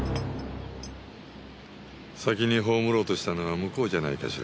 先に葬ろうとしたのは向こうじゃないかしら。